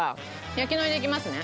焼き海苔でいきますね。